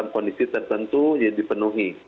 kondisi tertentu ya dipenuhi